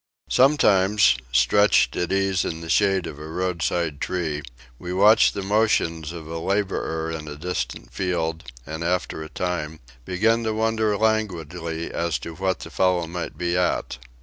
Sometimes, stretched at ease in the shade of a roadside tree, we watch the motions of a labourer in a distant field, and after a time, begin to wonder languidly as to what the fellow may be at.